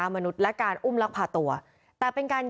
เมื่อวานแบงค์อยู่ไหนเมื่อวาน